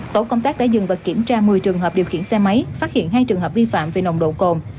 tổ công tác đã dừng và kiểm tra một mươi trường hợp điều khiển xe máy phát hiện hai trường hợp vi phạm về nồng độ cồn